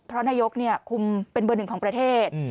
เพราะนายกคุมเป็นเบอร์หนึ่งของประเทศ